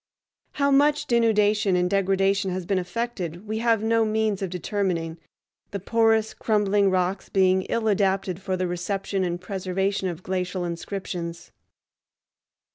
How much denudation and degradation has been effected we have no means of determining, the porous, crumbling rocks being ill adapted for the reception and preservation of glacial inscriptions.